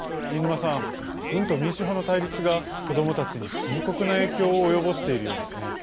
飯沼さん、軍と民主派の対立が子どもたちに深刻な影響を及ぼしているようですね。